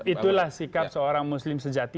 itulah sikap seorang muslim sejati